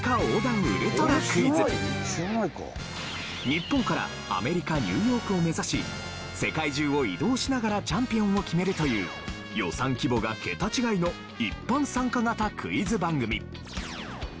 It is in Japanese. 日本からアメリカニューヨークを目指し世界中を移動しながらチャンピオンを決めるという予算規模が桁違いの一般参加型クイズ番組。